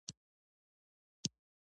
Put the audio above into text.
چنګلونه د افغانستان د انرژۍ سکتور برخه ده.